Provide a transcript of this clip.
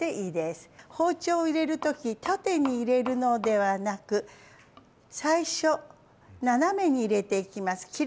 包丁を入れる時縦に入れるのではなく最初斜めに入れていきます。